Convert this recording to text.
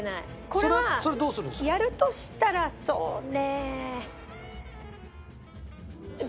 これはやるとしたらそうねえ。